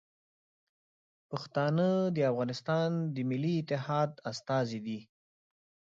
پښتانه د افغانستان د ملي اتحاد استازي دي.